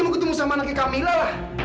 mau ketemu sama anaknya kami lah